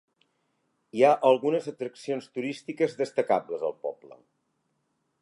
Hi ha algunes atraccions turístiques destacables al poble.